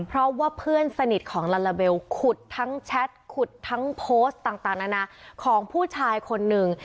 เพราะว่าเพื่อนสนิทของลาลาเบลขุดทั้งแชทขุดทั้งโพสต์ต่างนานาของผู้ชายคนหนึ่ง